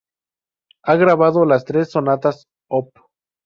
Ha grabado las tres sonatas op.